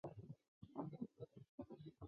合并移转英皇文化发展有限公司。